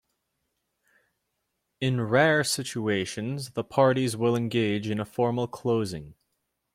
In rare situations, the parties will engage in a formal closing.